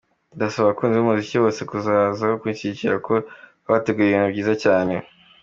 Ndasaba abakunzi b’umuziki bose kuzaza kunshyigikira kuko twabateguriye ibintu byiza cyane.